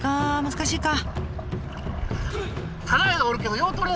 難しいか。